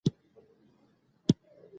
یوڅوک دی ورشئ